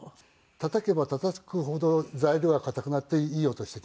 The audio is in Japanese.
たたけばたたくほど材料が硬くなっていい音してきますよね。